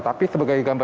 tapi sebagai gambar